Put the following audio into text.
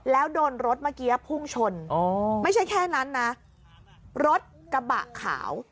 แล้วโดนรถเมื่อกี้พุ่งชนไม่ใช่แค่นั้นนะรถกระบะขาว